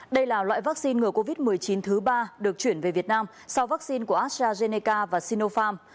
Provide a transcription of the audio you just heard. đây là loại vaccine ngừa covid một mươi chín thứ ba được chuyển về việt nam sau vaccine của astrazeneca và sinopharm